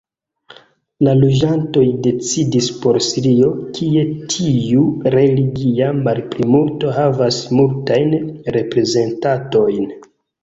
La loĝantoj decidis por Sirio, kie tiu religia malplimulto havas multajn reprezentantojn.